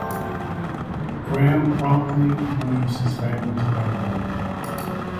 Graham promptly moves his family to California.